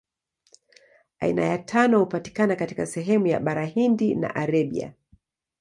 Aina ya tano hupatikana katika sehemu ya Bara Hindi na Arabia.